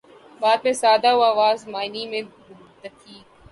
بات میں سادہ و آزادہ، معانی میں دقیق